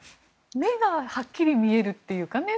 目がはっきり見えるというかね。